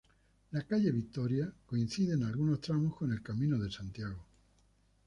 La calle Vitoria coincide en algunos tramos con el Camino de Santiago.